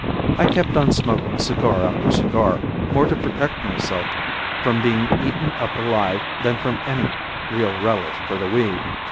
I kept on smoking cigar after cigar, more to protect myself from being eaten up alive than from any real relish for the weed.